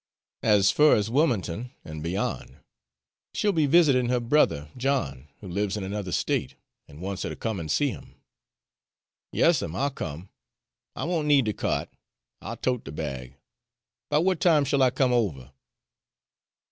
"As fur as Wilmin'ton an' beyon'. She'll be visitin' her brother John, who lives in another State, an' wants her to come an' see him." "Yas 'm, I'll come. I won' need de kyart I'll tote de bag. 'Bout w'at time shill I come over?"